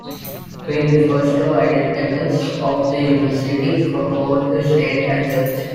"Free" refers to independence of the university from both the State and Church.